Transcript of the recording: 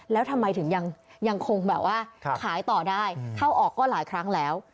แล้วทำไมถึงยังคงแบบว่าขายต่อได้เข้าออกก็หลายครั้งแล้ว